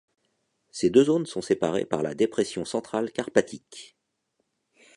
Ces deux zones sont séparées par la dépression centrale carpatique.